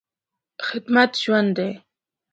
خدمت ژوند دی.